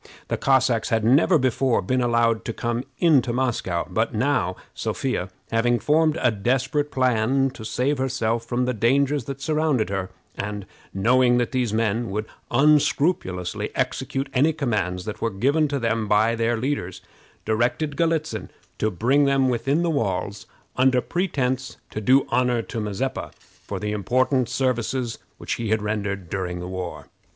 The Cossacks had never before been allowed to come into Moscow; but now, Sophia having formed a desperate plan to save herself from the dangers that surrounded her, and knowing that these men would unscrupulously execute any commands that were given to them by their leaders, directed Galitzin to bring them within the walls, under pretense to do honor to Mazeppa for the important services which he had rendered during the war.